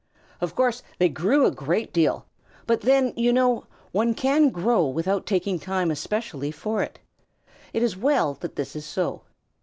Of course they grew a great deal, but then, you know, one can grow without taking time especially for it. It is well that this is so.